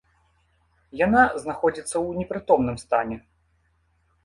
Яна знаходзіцца ў непрытомным стане.